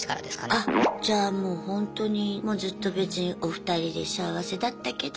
あじゃあもうほんとにもうずっと別にお二人で幸せだったけど。